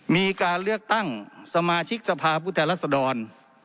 มีการเลือกตั้งสมาชิกสภาพุทธรรษดร